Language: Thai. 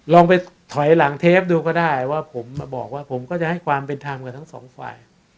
ลองไปถอยหลังเทปดูก็ได้ว่าผมมาบอกว่าผมก็จะให้ความเป็นธรรมกับทั้งสองฝ่าย